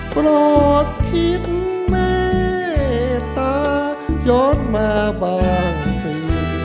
ปลอดคิดแม่ตาย้อนมาบางสิ